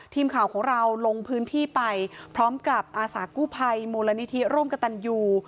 ทีมข่าวของเราลงพื้นที่ไปพร้อมกับอาสากู้ภัยมูลนิธิร่วมกับตันยู